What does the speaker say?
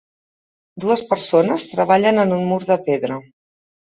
Dues persones treballen en un mur de pedra.